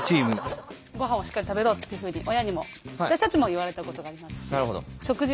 ご飯をしっかり食べろっていうふうに親にも私たちも言われたことがありますし。